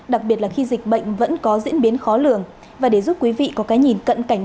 đặc biệt là khi dịch bệnh vẫn có diễn biến khó lường và để giúp quý vị có cái nhìn cận cảnh